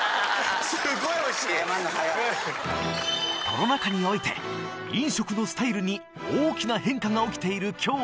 コロナ禍において飲食のスタイルに大きな変化が起きている今日